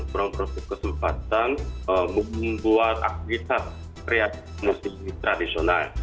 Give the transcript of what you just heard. kurang kesempatan membuat aktivitas kreatif musik tradisional